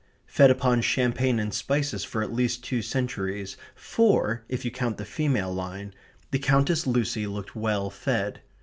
Fed upon champagne and spices for at least two centuries (four, if you count the female line), the Countess Lucy looked well fed.